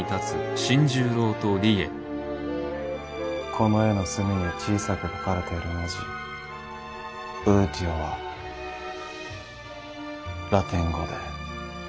この絵の隅に小さく書かれている文字「ｕｌｔｉｏ」はラテン語で「復讐」。